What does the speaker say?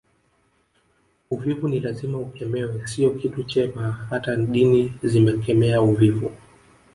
Uvivu ni lazima ukemewe sio kitu chema hata dini zimekemea uvivu